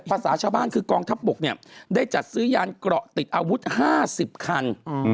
ภาษาชาวบ้านคือกองทัพบกเนี่ยได้จัดซื้อยานเกราะติดอาวุธ๕๐คัน